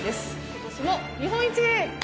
今年も日本一！